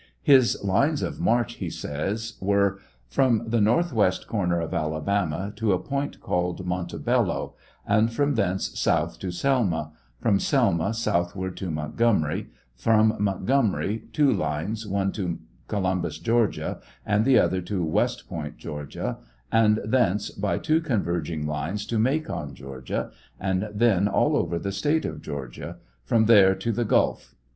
His lines of march, he says, were — From the northwest corner of Alabama, to a point called Monte Bello, and from thence south to Selma ; from Selma, southward to Montgomery ; from Montgomery, two lines, one to Columbus, Georgia, and the other to West Point, Georgia, and thence, by two converging lines, to Macon, Georgia ; and then, all over the State of Georgia ; from there to the Gull.